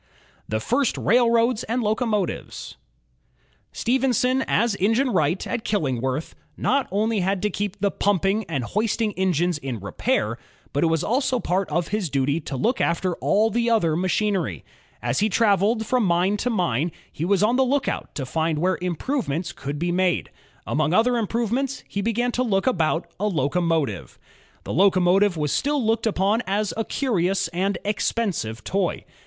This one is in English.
The First Railroads and Locomotives Stephenson as engine wright at Killingworth not only had to keep the pumping and hoisting engines in repair, but it was also part of his duty to look after all the other machinery. As he traveled from mine to mine, he was on 58 INVENTIONS OF STEAM AND ELECTRIC POWER the lookout to find where improvements could be made. Among other improvements, he began to think about a locomotive. The locomotive was still looked upon as a curious and expensive toy.